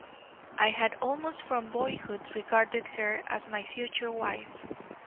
I had almost from boyhood regarded her as my future wife.